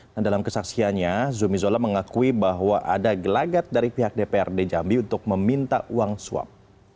dan dalam kesaksiannya zumi zola mengakui bahwa ada gelagat dari pihak dprd jambi untuk meminta uang swab